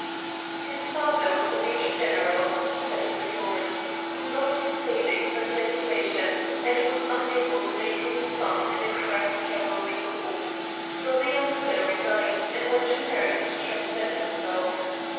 "His father was a Major General," said his informant, "who lost his savings by speculation, and was unable to maintain his son in a crack cavalry corps, so the youngster resigned and went to America to try to better himself.